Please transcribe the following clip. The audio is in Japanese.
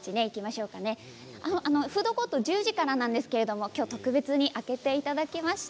フードコートは１０時からなんですが今日は特別に開けていただきました。